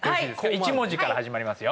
１文字から始まりますよ